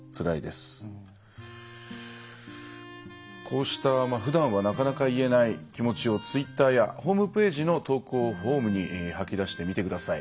こうしたふだんはなかなか言えない気持ちをツイッターやホームページの投稿フォームに吐き出してみてください。